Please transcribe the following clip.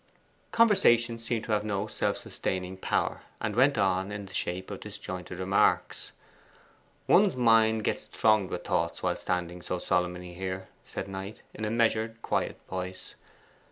Conversation seemed to have no self sustaining power, and went on in the shape of disjointed remarks. 'One's mind gets thronged with thoughts while standing so solemnly here,' Knight said, in a measured quiet voice.